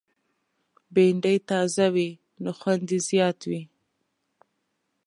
بېنډۍ تازه وي، نو خوند یې زیات وي